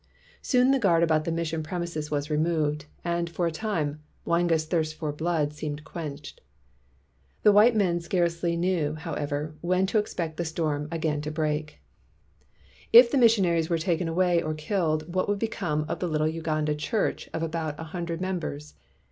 Soon the guard about the mission premises was removed; and, for a time, Mwanga's thirst for blood seemed quenched. The white men scarcely knew, however, when to expect the storm again to break. 219 WHITE MAN OF WORK If the missionaries were taken away or killed, what would become of the little Uganda church of about a hundred mem bers